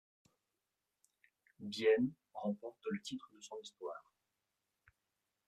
Bienne remporte le titre de son histoire.